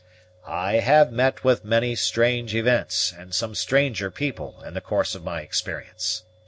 "I have met with many strange events, and some stranger people, in the course of my experience.